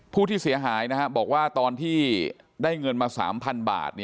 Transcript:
ผู้เสียหายบอกว่าตอนที่ได้เงินมา๓๐๐๐บาท